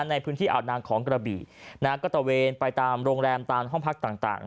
ในพื้นที่อาวนางของกระบี่นะฮะก็ตะเวนไปตามโรงแรมตามห้องพักต่าง